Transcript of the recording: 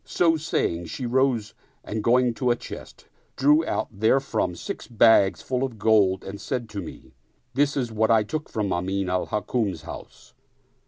So saying, she rose and going to a chest, drew out therefrom six bags full of gold and said to me, This is what I took from Amin al Hukm's house.